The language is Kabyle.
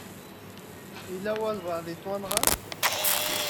Yella walebɛaḍ i yettwanɣan.